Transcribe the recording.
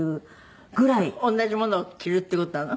同じものを着るって事なの？